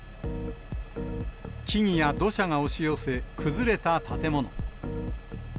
木々や土砂が押し寄せ、崩れた建物。